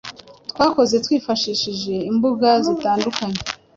twakoze twifashishije imbuga zitandukanye